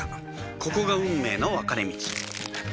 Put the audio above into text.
ここが運命の分かれ道